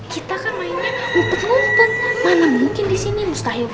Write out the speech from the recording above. kita kan mainnya umpuk umpuk mana mungkin disini mustahil banget